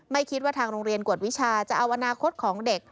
ไม่คิดว่าทางโรงเรียนกวดวิชาจะเอาอนาคตของเด็ก